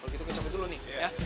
kalau gitu kecoke dulu nih ya